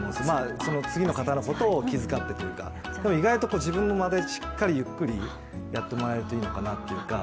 その次の方のことを気遣ってというか、意外と自分の間でしっかりじっくりやってもらうといいのかなと。